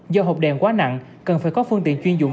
do hộp đèn quá nặng cần phải có phương tiện chuyên dụng